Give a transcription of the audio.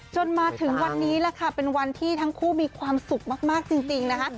จนถึงวันนี้แหละค่ะเป็นวันที่ทั้งคู่มีความสุขมากจริงนะคะ